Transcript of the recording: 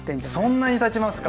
そんなにたちますか。